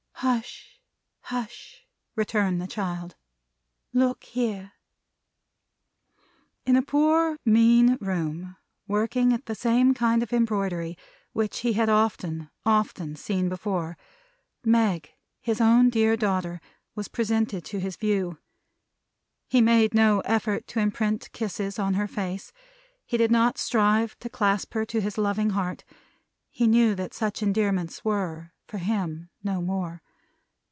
"Hush, hush!" returned the child. "Look here!" In a poor, mean room; working at the same kind of embroidery, which he had often, often, seen before her; Meg, his own dear daughter, was presented to his view. He made no effort to imprint his kisses on her face; he did not strive to clasp her to his loving heart; he knew that such endearments were, for him, no more.